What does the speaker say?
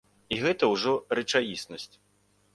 І гэта ўжо рэчаіснасць.